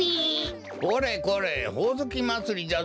これこれほおずきまつりじゃぞ。